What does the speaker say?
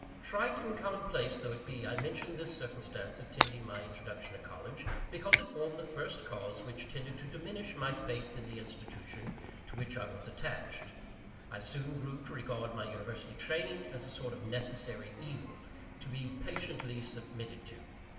Trite and common place though it be, I mention this circumstance attending my introduction to college, because it formed the first cause which tended to diminish my faith in the institution to which I was attached. I soon grew to regard my university training as a sort of necessary evil, to be patiently submitted to.